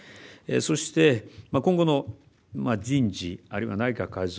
そして、今後の人事あるいは内閣改造